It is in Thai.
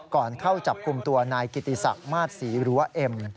ก่อนเข้าจับคุมตัวนายกิติศักดิ์มาสรีรั้วเอ็ม